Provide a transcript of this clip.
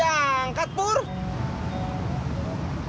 ya kan bapanya